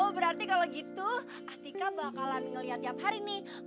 berarti kalo gitu tika bakalan ngeliat tiap hari nih